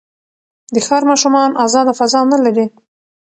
د ښار ماشومان ازاده فضا نه لري.